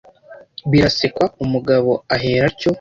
Birasekwa umugabo ahera atyo